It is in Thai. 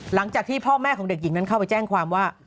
หลังจากที่พ่อแม่ของเด็กหญิงนั้นเข้าไปแจ้งความว่า